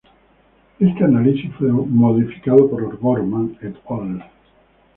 Este análisis fue modificado por O’Gorman "et al.